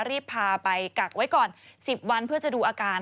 รีบพาไปกักไว้ก่อน๑๐วันเพื่อจะดูอาการ